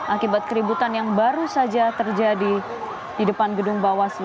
akibat keributan yang baru saja terjadi di depan gedung bawaslu